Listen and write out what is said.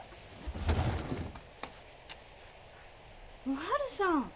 ・おはるさん！